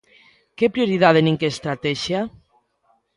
¿Que prioridade nin que estratexia?